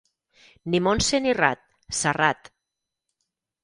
Ni Montse ni Rat, Serrat.